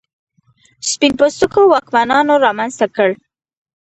سپین پوستو واکمنانو رامنځته کړ.